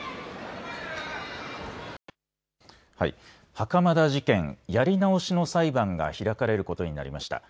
袴田事件、やり直しの裁判が開かれることになりました。